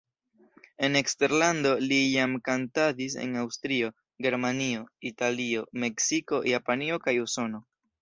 En eksterlando li jam kantadis en Aŭstrio, Germanio, Italio, Meksiko, Japanio kaj Usono.